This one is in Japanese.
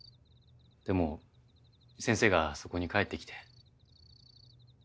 でも先生がそこに帰ってきて。